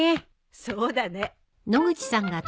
そうだね。